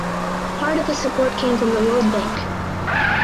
Part of the support came from the World Bank.